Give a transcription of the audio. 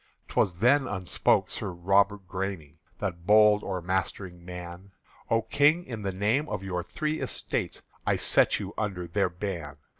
'T was then upspoke Sir Robert Græme, The bold o'ermastering man: "O King, in the name of your Three Estates I set you under their ban!